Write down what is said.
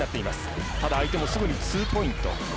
ただ、相手もすぐにツーポイント。